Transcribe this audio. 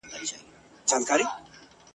كه تباه غواړئ نړۍ د بندگانو !.